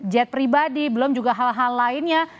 jet pribadi belum juga hal hal lainnya